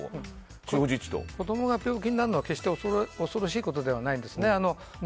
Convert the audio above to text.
子供が病気になるのは決して恐ろしいことじゃないんですね。